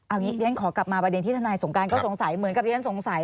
เอางี้เรียนขอกลับมาประเด็นที่ทนายสงการก็สงสัยเหมือนกับที่ฉันสงสัย